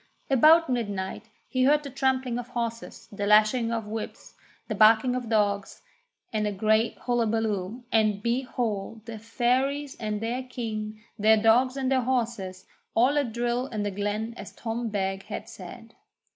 About midnight he heard the trampling of horses, the lashing of whips, the barking of dogs, and a great hullabaloo, and, behold, the Fairies and their king, their dogs and their horses, all at drill in the glen as Tom Beg had said.